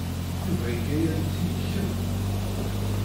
Yuba iga-am-d ti i kemm.